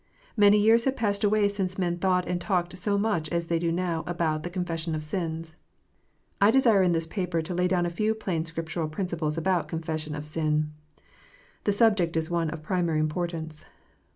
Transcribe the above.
Many years have passed away since men thought and talked so much as they do now about "the confession of sins." I desire in this paper to lay down a few plain Scriptural principles about " Confession of sin." The subject is one of primary importance.